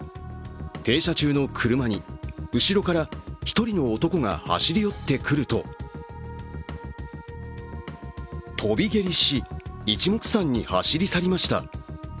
停車中の車に後ろから１人の男が走り寄ってくると跳び蹴りし、いちもくさんに走り去りました。